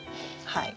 はい。